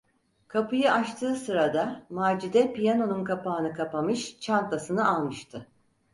Kapıyı açtığı sırada Macide piyanonun kapağını kapamış, çantasını almıştı.